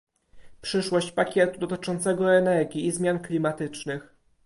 przyszłość pakietu dotyczącego energii i zmian klimatycznych